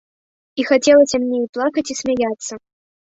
І хацелася мне і плакаць і смяяцца.